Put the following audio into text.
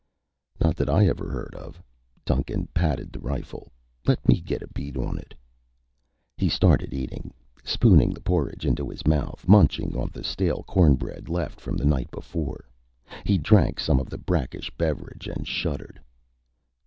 "Not that I ever heard of." Duncan patted the rifle. "Let me get a bead on it." He started eating, spooning the porridge into his mouth, munching on the stale corn bread left from the night before. He drank some of the brackish beverage and shuddered.